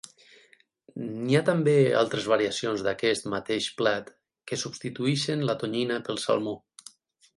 N'hi ha també altres variacions d'aquest mateix plat que substitueixen la tonyina pel salmó.